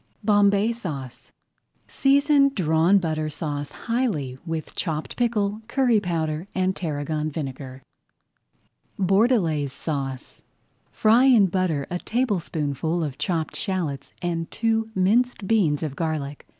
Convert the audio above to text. BOMBAY SAUCE Season Drawn Butter Sauce highly with chopped pickle, curry powder, and tarragon vinegar. BORDELAISE SAUCE Fry in butter a tablespoonful of chopped shallots and two minced beans of garlic.